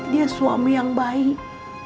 dia suami yang baik